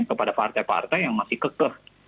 kepada partai partai yang masih kekeh